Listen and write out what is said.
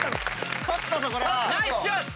ナイスショット！